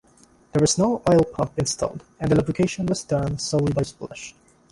There was no oil pump installed and the lubrication was done solely by splash.